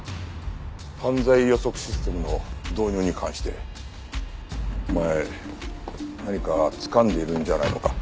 犯罪予測システムの導入に関してお前何かつかんでいるんじゃないのか？